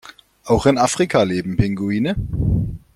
Auch in Afrika leben Pinguine.